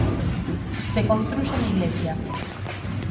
Se construyen iglesias.